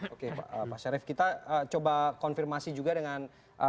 oke pak syarif kita coba konfirmasi juga dengan